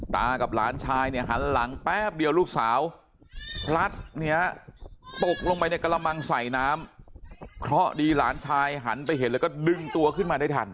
ตกลงไปในกระมังใส่น้ำเพราะดีหลานชายหันไปเห็นแล้วก็ดึงตัวขึ้นมาได้ทัน